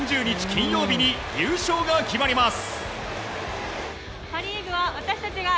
金曜日に優勝が決まります。